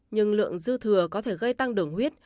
nhưng lượng dư thừa có thể gây tăng đường huyết